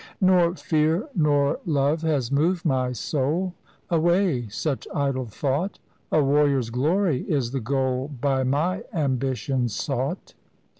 "Nor fear nor love has moved my soul — Away such idle thought! A warrior's glory is the goal By my ambition sought.